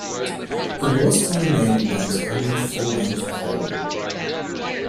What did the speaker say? It was to remain the band's only full-length album.